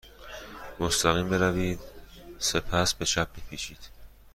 مستقیم بروید. سپس به چپ بپیچید.